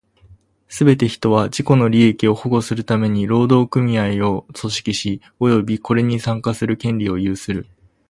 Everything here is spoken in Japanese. すべて人は、自己の利益を保護するために労働組合を組織し、及びこれに参加する権利を有する。